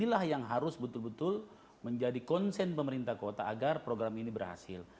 inilah yang harus betul betul menjadi konsen pemerintah kota agar program ini berhasil